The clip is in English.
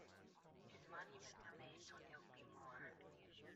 His monument remains on Ilkley Moor.